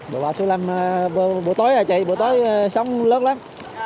bộ bão số năm bữa tối xong lớp lắm